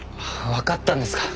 わかったんですか。